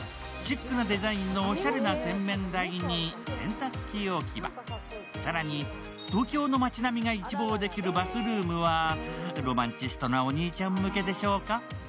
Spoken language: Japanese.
シックなデザインのおしゃれな洗面台に洗濯機置き場、更に東京の町並みが一望できるバスルームはロマンチストなお兄ちゃん向けでしょうか。